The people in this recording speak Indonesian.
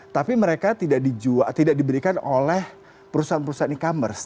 tapi mereka tidak diberikan oleh perusahaan perusahaan e commerce